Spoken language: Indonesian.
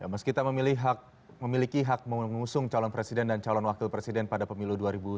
meskipun memiliki hak mengusung calon presiden dan calon wakil presiden pada pemilu dua ribu sembilan belas